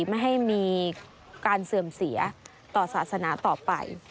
ไม่ให้มีการเสื่อมเสียต่อศาสนาต่อไป